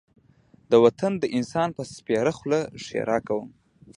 د وطن د انسان په سپېره خوله ښېرا کوم.